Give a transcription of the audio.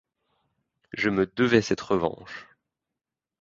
Je me devais cette revanche !